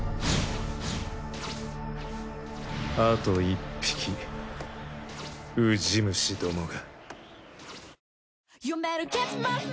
あと１匹ウジ虫どもが。